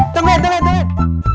tungguin tungguin tungguin